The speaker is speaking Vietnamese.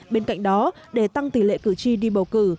bên cạnh đó để tăng tỷ lệ cử tri đi bầu cử